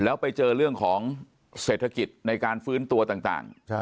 แล้วไปเจอเรื่องของเศรษฐกิจในการฟื้นตัวต่าง